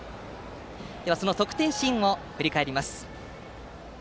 では、得点シーンを振り返ります。